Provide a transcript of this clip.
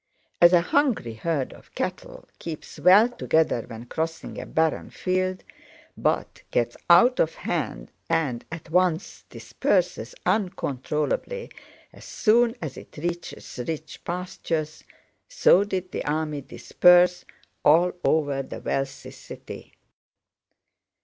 As a hungry herd of cattle keeps well together when crossing a barren field, but gets out of hand and at once disperses uncontrollably as soon as it reaches rich pastures, so did the army disperse all over the wealthy city.